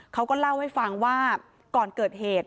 เขาก็เล่าให้ฟังว่าก่อนเกิดเหตุ